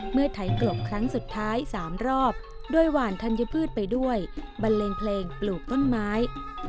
ไถกลบครั้งสุดท้าย๓รอบโดยหวานธัญพืชไปด้วยบันเลงเพลงปลูกต้นไม้